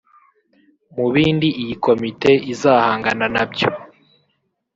Mu bindi iyi komite izahangana nabyo